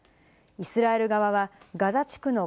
イスラエル側は、ガザ地区の